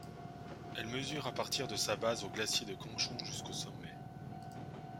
Elle mesure à partir de sa base au glacier de Kangshung jusqu'au sommet.